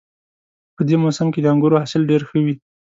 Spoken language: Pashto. په دې موسم کې د انګورو حاصل ډېر ښه وي